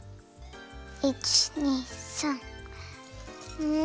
１２３！ん！